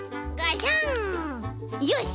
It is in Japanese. よし。